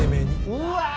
うわ！